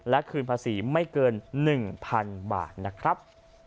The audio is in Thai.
และคืนภาษีไม่เกิน๑๐๐๐บาท